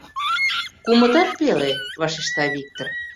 — Кумытат пеле. — вашешта Виктыр.